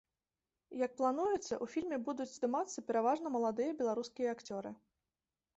Як плануецца, у фільме будуць здымацца пераважна маладыя беларускія акцёры.